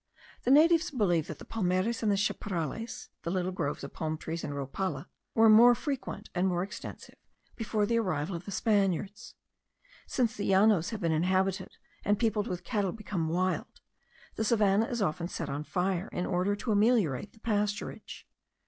The natives believe that the palmares and the chaparales (the little groves of palm trees and rhopala) were more frequent and more extensive before the arrival of the Spaniards. Since the Llanos have been inhabited and peopled with cattle become wild, the savannah is often set on fire, in order to ameliorate the pasturage.